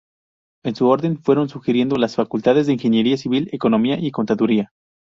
En su orden fueron surgiendo, las facultades de Ingeniería Civil, Economía y Contaduría.